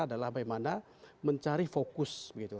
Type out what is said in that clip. adalah bagaimana mencari fokus